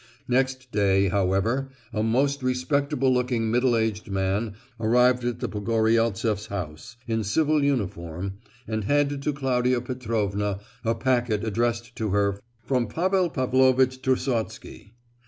Next day, however, a most respectable looking middle aged man arrived at the Pogoryeltseft's house, in civil uniform, and handed to Claudia Petrovna a packet addressed to her "from Pavel Pavlovitch Trusotsky."